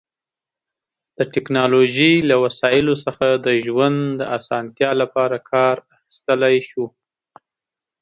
د ټیکنالوژی له وسایلو څخه د ژوند د اسانتیا لپاره کار اخیستلی شو